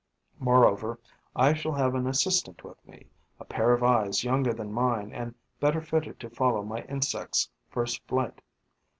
Moreover, I shall have an assistant with me, a pair of eyes younger than mine and better fitted to follow my insects' first flight.